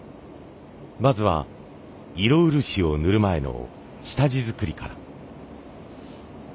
まずは色漆を塗る前の下地作りから。